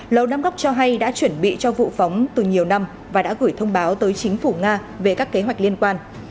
lầu đám góc cho hay đã chuẩn bị cho vụ phóng từ nhiều năm và đã gửi thông báo tới chính phủ nga về các kế hoạch liên quan